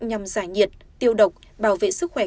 nhằm giải nhiệt tiêu độc bảo vệ sức khỏe